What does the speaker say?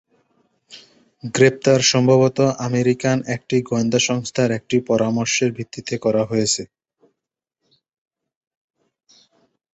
গ্রেপ্তার সম্ভবত আমেরিকান একটি গোয়েন্দা সংস্থার একটি পরামর্শের ভিত্তিতে করা হয়েছিল।